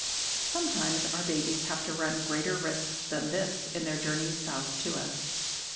Sometimes our babies have to run greater risks than this in their journeys south to us.